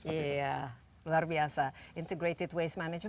iya luar biasa integrated waste management